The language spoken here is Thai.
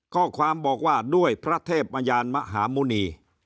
ข้อความบอกว่าด้วยพระเทพมยานมหาหมุณี